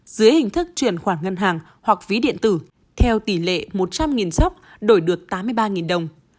dưới hình thức chuyển khoản ngân hàng hoặc ví điện tử theo tỷ lệ một trăm linh dốc đổi được tám mươi ba đồng